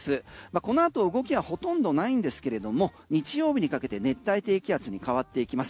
このあと動きはほとんどないんですけれども日曜日にかけて熱帯低気圧に変わっていきます。